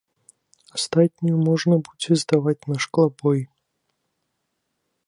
Астатнюю можна будзе здаваць на шклабой.